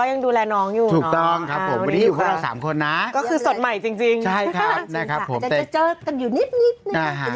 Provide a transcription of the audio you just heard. วันนี้จะชั้นเตี้ยไม่มีเบาะ